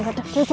ya calon semua